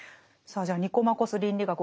さあじゃあ「ニコマコス倫理学」